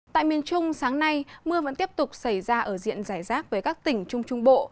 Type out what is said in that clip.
tại miền trung sáng nay mưa vẫn tiếp tục xảy ra ở diện giải rác với các tỉnh trung trung bộ